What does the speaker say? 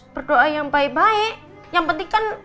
berdoa yang baik baik yang penting kan